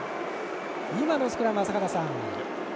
今のスクラムは、坂田さん。